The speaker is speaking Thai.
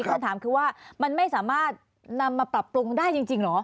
คำถามคือว่ามันไม่สามารถนำมาปรับปรุงได้จริงเหรอ